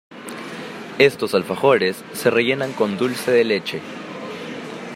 Estos alfajores se rellenan con dulce de leche.